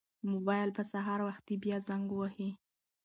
موبایل به سهار وختي بیا زنګ وهي.